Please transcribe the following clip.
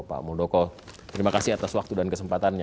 pak muldoko terima kasih atas waktu dan kesempatannya